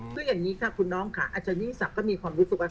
คืออย่างนี้ค่ะคุณน้องค่ะอาจารยิ่งศักดิ์ก็มีความรู้สึกว่า